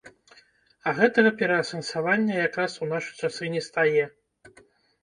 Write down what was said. А гэтага пераасэнсавання як раз у нашы часы не стае.